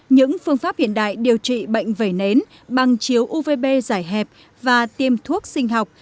những phương pháp hiện đại điều trị bệnh vẩy nến bằng chiếu uvb giải hẹp và tiêm thuốc sinh học